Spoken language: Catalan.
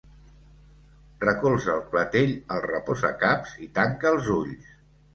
Recolza el clatell al reposacaps i tanca els ulls.